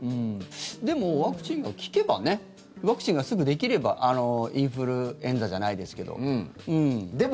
でも、ワクチンが効けばねワクチンがすぐできればインフルエンザじゃないですけども。